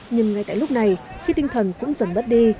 nhưng ngay tại lúc này khi tinh thần cũng dần mất đi